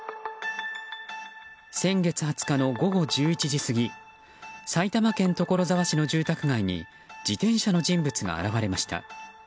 先月２０日の午後１１時過ぎ埼玉県所沢市の住宅街に自転車の人物が現れました。